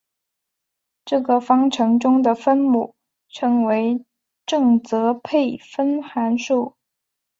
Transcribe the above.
这个方程中的分母称为正则配分函数。